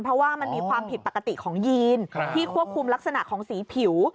เพราะว่ามันมีความผิดปกติของยีนที่ควบคุมลักษณะของสีผิว